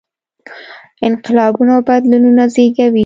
انقلابونه او بدلونونه زېږوي.